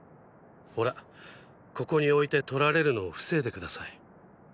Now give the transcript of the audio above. ほらここに置いて取られるのを防いで下さい。